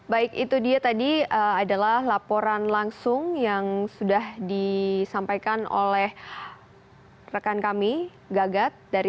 baik itu dia tadi adalah laporan langsung yang sudah disampaikan oleh rekan kami gagat